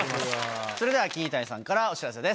それでは桐谷さんからお知らせです。